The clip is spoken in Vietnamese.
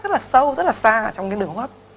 rất là sâu rất là xa trong cái đường hốp